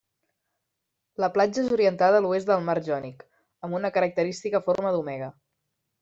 La platja és orientada a l'oest al mar Jònic, amb una característica forma d'omega.